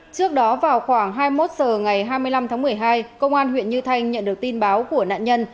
trước đó vào khoảng hai mươi một h ngày hai mươi năm tháng một mươi hai công an huyện như thanh nhận được tin báo của nạn nhân